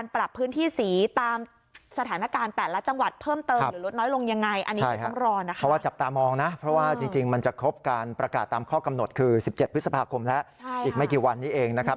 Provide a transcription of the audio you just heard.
พฤษภาคมแล้วอีกไม่กี่วันนี้เองนะครับ